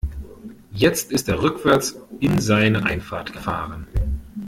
Jetzt ist er rückwärts in seine Einfahrt gefahren.